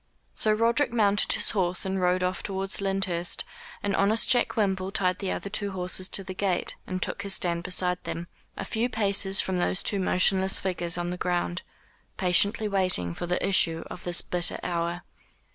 So Roderick mounted his horse and rode off towards Lyndhurst, and honest Jack Wimble tied the other two horses to the gate, and took his stand beside them, a few paces from those two motionless figures on the ground, patiently waiting for the issue of this bitter hour.